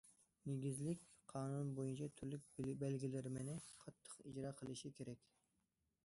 نېگىزلىك قانۇن بويىچە تۈرلۈك بەلگىلىمىلىرىنى قاتتىق ئىجرا قىلىشى كېرەك.